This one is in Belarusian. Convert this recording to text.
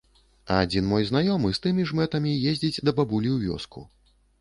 А адзін мой знаёмы з тымі ж мэтамі ездзіць да бабулі ў вёску.